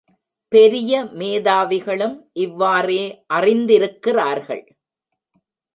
பெரிய மேதாவிகளும் இவ்வாறே அறிந்திருக்கிறார்கள்.